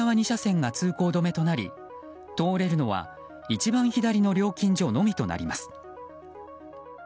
２車線が通行止めとなり通れるのは一番左の料金所のみとなります。